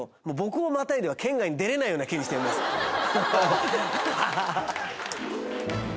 もう僕をまたいでは県外に出れないような県にしてやります。